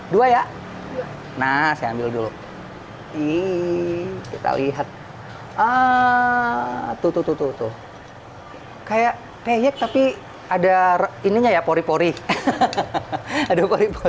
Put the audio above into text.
dua ya nah ambil dulu ih kita lihat ah tututututu kayak kayak tapi ada ininya ya pori pori ada